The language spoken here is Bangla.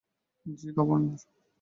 জি, গভর্নর।